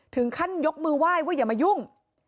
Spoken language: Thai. ถึงขั้นยกมือไหว้ว่าอย่ามายุ่ง